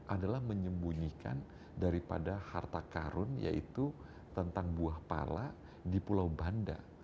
adalah menyembunyikan daripada harta karun yaitu tentang buah pala di pulau banda